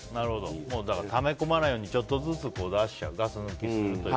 ため込まないようにちょっとずつ出してガス抜きすると。